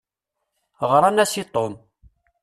Ɣṛant-as i Tom.